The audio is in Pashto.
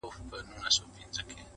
دیدن په لک روپۍ ارزان دی!!